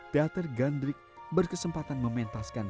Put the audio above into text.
teater gandrik berkesempatan mementaskan